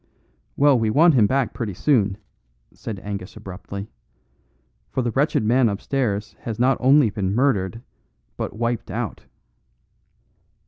"Well, we want him back pretty soon," said Angus abruptly, "for the wretched man upstairs has not only been murdered, but wiped out."